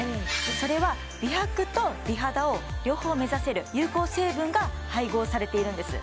それは美白と美肌を両方目指せる有効成分が配合されているんです